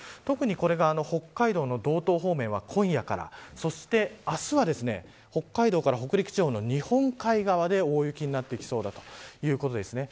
特に、これが北海道の道東方面は今夜からそして明日は北海道から北陸地方の日本海側で大雪になっていきそうだということです。